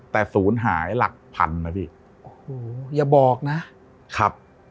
แต่ศูนย์หายหลักพันนะพี่โอ้โหอย่าบอกนะครับ